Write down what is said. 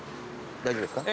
大丈夫ですか？